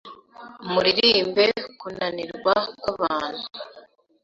Muririmbe kunanirwa kwabantu